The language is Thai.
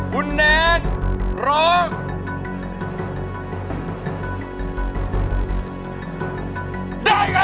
คุณแนนร้อง